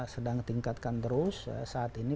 sedang tingkatkan terus saat ini